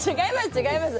違います！